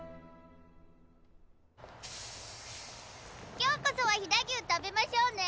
今日こそは飛騨牛食べましょうね！